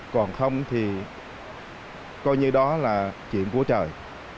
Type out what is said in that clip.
còn không thì coi như đó là chuyện của trời